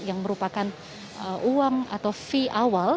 yang merupakan uang atau fee awal